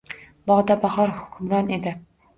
Bog’da bahor hukmron edi…